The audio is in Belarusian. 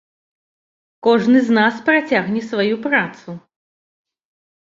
Кожны з нас працягне сваю працу.